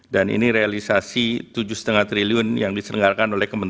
dan ini realisasi rp tujuh lima triliun yang diselenggarakan oleh bapanas